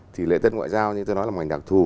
thì lễ tân ngoại giao như tôi nói là một ngành đặc thù